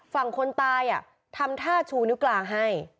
ฝั่งคนตายทำท่าชูนิ้วกลางให้